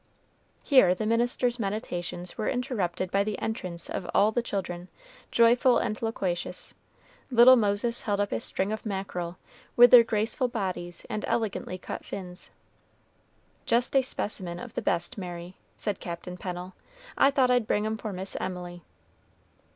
Here the minister's meditations were interrupted by the entrance of all the children, joyful and loquacious. Little Moses held up a string of mackerel, with their graceful bodies and elegantly cut fins. "Just a specimen of the best, Mary," said Captain Pennel. "I thought I'd bring 'em for Miss Emily."